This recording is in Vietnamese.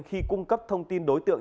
khi cung cấp thông tin đối tượng